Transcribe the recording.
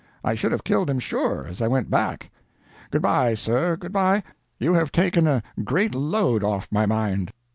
I should have killed him sure, as I went back. Good by, sir, good by; you have taken a great load off my mind.